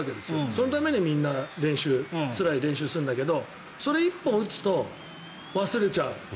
そのためにみんなつらい練習をするんだけどそれ１本打つと忘れちゃう。